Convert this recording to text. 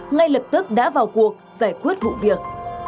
ngay lập tức đã vào cuộc giải quyết vụ việc